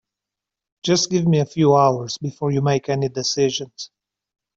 Just give me a few hours before you make any decisions.